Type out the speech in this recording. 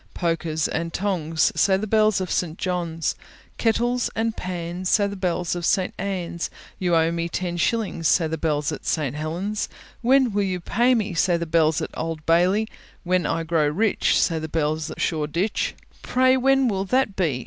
Pokers and tongs, Say the bells of St. John's. Kettles and pans, Say the bells of St. Ann's. You owe me ten shillings, Say the bells at St. Helen's. When will you pay me? Say the bells at Old Bailey. When I grow rich, Say the bells at Shoreditch. Pray when will that be?